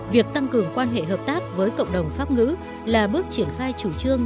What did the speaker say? việc tăng cường quan hệ hợp tác với cộng đồng pháp ngữ là bước triển khai chủ trương